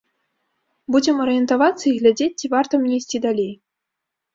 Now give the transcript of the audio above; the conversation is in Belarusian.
Будзем арыентавацца і глядзець, ці варта мне ісці далей.